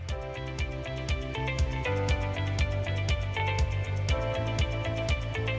jadi kita bisa mencari uang